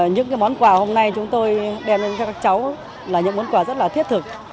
những món quà hôm nay chúng tôi đem đến các cháu là những món quà rất là thiết thực